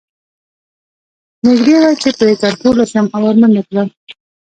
نږدې وه چې بې کنتروله شم او ور منډه کړم